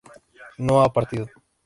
no ha partido